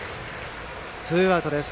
ツーアウトです。